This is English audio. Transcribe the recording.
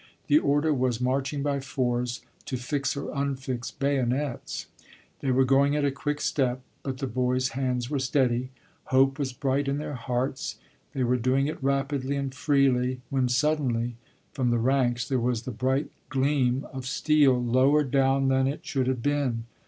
The order was marching by fours to fix or unfix bayonets. They were going at a quick step, but the boys' hands were steady hope was bright in their hearts. They were doing it rapidly and freely, when suddenly from the ranks there was the bright gleam of steel lower down than it should have been.